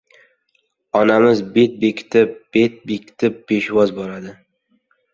Onamiz bet bekitib-bet bekitib peshvoz boradi.